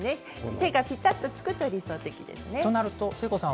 手がぴたっとつくと理想的ですね。